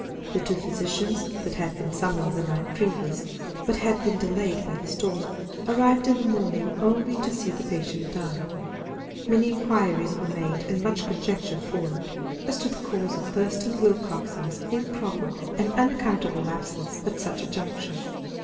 The two physicians that had been summoned the night previous, but had been delayed by the storm, arrived in the morning only to see the patient die. Many inquiries were made and much conjecture formed as to the cause of Thurston Willcoxen's improper and unaccountable absence at such a juncture.